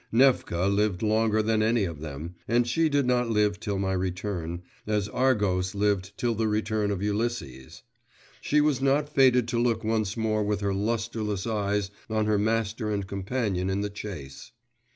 Nefka lived longer than any of them and she did not live till my return, as Argos lived till the return of Ulysses; she was not fated to look once more with her lustreless eyes on her master and companion in the chase.